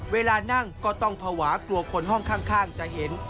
เวลานั่งก็ต้องภาวะกลัวคนห้องข้างจะเห็น